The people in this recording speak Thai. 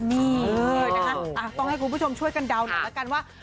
นี่ต้องให้คุณผู้ชมช่วยกันเดาหน่อยกันว่า